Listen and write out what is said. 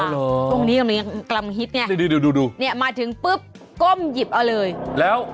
ตรงนี้อย่างกล้ำฮิตไงมาถึงปุ๊บโก้มหยิบเอาเลยแล้ว